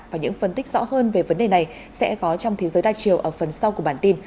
và những phân tích rõ hơn về vấn đề này sẽ có trong thế giới đa chiều ở phần sau của bản tin